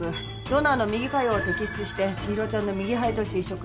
ドナーの右下葉を摘出してちひろちゃんの右肺として移植。